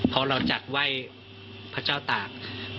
เพราะเราจัดไว้พเจ้าต่าง